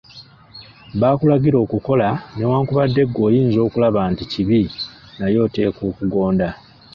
Bakulagira okukola newankubadde ggwe oyinza okulaba nti kibi naye oteekwa okugonda.